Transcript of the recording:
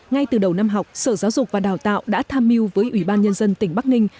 ngay từ đầu năm học sở giáo dục và đào tạo đã tham mưu với ủy ban nhân dân tỉnh bắc ninh